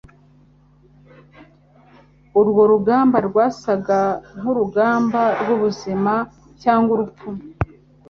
Urwo rugamba rwasaga nkurugamba rwubuzima cyangwa urupfu